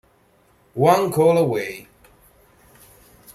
One Call Away